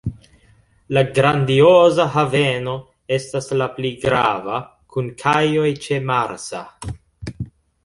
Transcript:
La Grandioza Haveno estas la pli grava, kun kajoj ĉe Marsa.